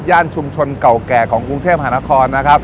ชุมชนเก่าแก่ของกรุงเทพหานครนะครับ